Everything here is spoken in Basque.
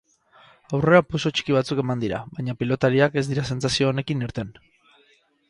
Aurrerapauso txiki batzuk eman dira, baina pilotariak ez dira sentsazio onekin irten.